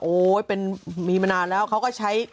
มีมานานแล้วเขาก็ใช้